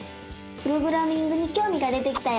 プログラミングにきょうみが出てきたよ！